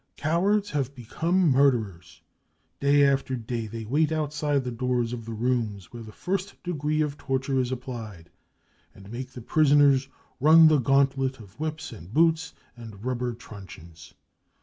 Cowards have become murderers : day after 1 day they wait outside the doors of the rooms where the I first degree of torture is applied, and make the prisoners run the gauntlet of whips and boots and rubber truncheons.